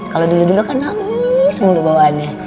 kalo dulu dulu kan nangis mulu bawahannya